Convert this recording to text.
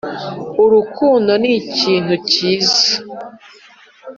urukundo nikintu cyiza,